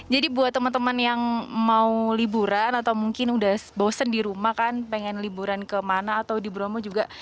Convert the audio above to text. jadi buat teman teman yang mau liburan atau mungkin udah bosen di rumah kan pengen liburan kemana atau di bromo juga